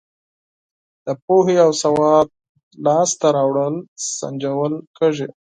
د پوهې او سواد لاس ته راوړل سنجول کیږي.